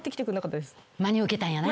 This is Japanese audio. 真に受けたんやな。